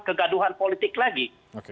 kegaduhan politik lagi